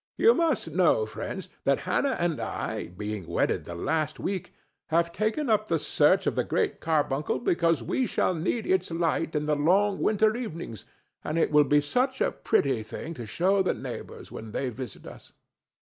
Ye must know, friends, that Hannah and I, being wedded the last week, have taken up the search of the Great Carbuncle because we shall need its light in the long winter evenings and it will be such a pretty thing to show the neighbors when they visit us!